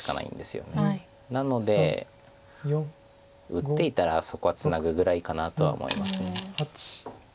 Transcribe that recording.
なので打っていたらそこはツナぐぐらいかなとは思います。